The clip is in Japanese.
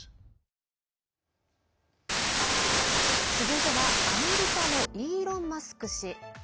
続いては、アメリカのイーロン・マスク氏。